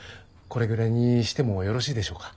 これぐらいにしてもよろしいでしょうか。